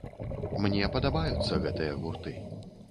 Мне падабаюцца гэтыя гурты.